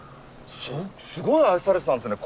すごい愛されてたんですね。